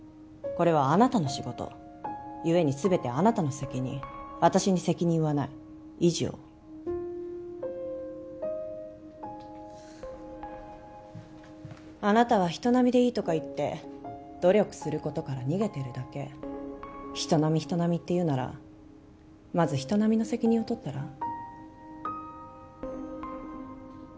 これはあなたの仕事ゆえに全てあなたの責任私に責任はない以上あなたは「人並みでいい」とか言って努力することから逃げてるだけ「人並み人並み」って言うならまず人並みの責任を取ったら？